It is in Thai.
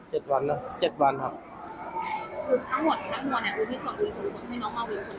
คือทั้งหมดทั้งหมวดเนี่ยอุทิศภพภูมิคุมให้น้องมาวินคนเอง